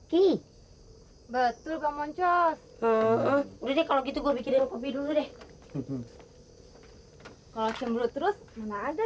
rezeki betul kemonco kalau gitu gua bikin kopi dulu deh kalau cemburu terus mana aja